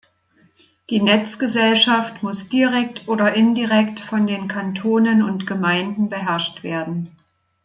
Die Netzgesellschaft muss direkt oder indirekt von den Kantonen und Gemeinden beherrscht werden.